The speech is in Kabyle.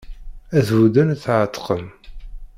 Ad t-budden ad t-εetqen